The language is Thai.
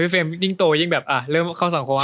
เฟรมยิ่งโตยิ่งแบบเริ่มเข้าสังคม